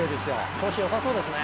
調子よさそうですね。